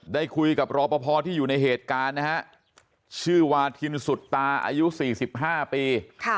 ได้คุยกับรอปภที่อยู่ในเหตุการณ์นะฮะชื่อวาทินสุดตาอายุ๔๕ปี